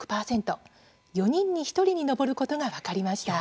４人に１人に上ることが分かりました。